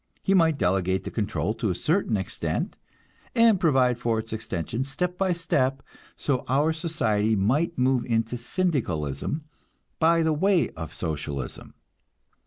He might delegate the control to a certain extent, and provide for its extension, step by step; so our society might move into Syndicalism by the way of Socialism.